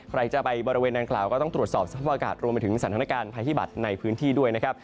ใครจะไปบริเวณนางกล่าวก็ต้องตรวจสอบสภาพอากาศรวมไปถึงสถานการณ์ภัยพิบัตรในพื้นที่ด้วยนะครับ